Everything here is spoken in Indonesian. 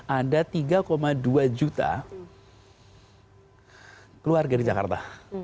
ada tiga dua juta keluarga di jakarta